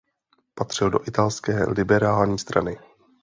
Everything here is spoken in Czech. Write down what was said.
Patřil do Italské liberální strany.